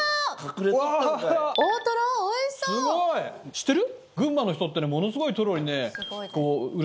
知ってる？